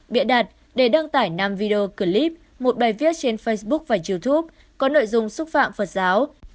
bịa đặt để đăng tải năm video clip một bài viết trên facebook và youtube có nội dung xúc phạm phật giáo